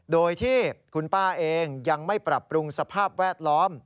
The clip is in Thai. โดยที่คุณป้าเองยังไม่ปรับปรุงสภาพแวดล้อม